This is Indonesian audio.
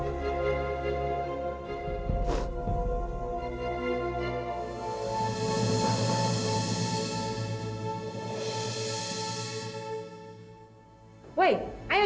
aku tuh pengen mengetahuinya bersama wina